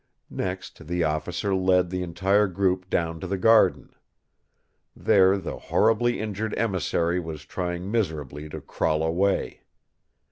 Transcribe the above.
Next the officer lead the entire group down to the garden. There the horribly injured emissary was trying miserably to crawl away.